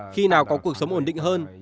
khi nào có cuộc sống ổn định hơn